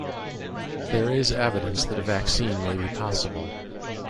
There is evidence that a vaccine may be possible.